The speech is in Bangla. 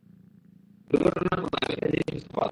দুর্ঘটনার পর, আমি একটা জিনিস বুঝতে পারলাম।